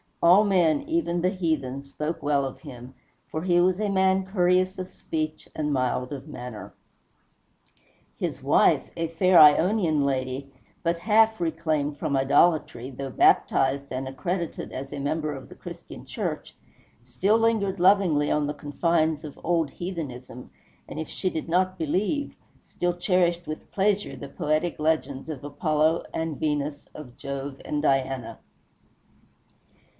All men, even the heathen, spoke well of him, for he was a man courteous of speech and mild of manner. His wife, a fair Ionian lady but half reclaimed from idolatry, though baptized and accredited as a member of the Christian Church, still lingered lovingly on the confines of old heathenism, and if she did not believe, still cherished with pleasure the poetic legends of Apollo and Venus, of Jove and Diana.